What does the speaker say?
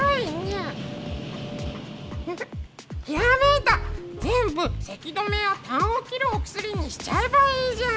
あっ、ひらめいた全部せき止めやたんを切るお薬にしちゃえばいいじゃん。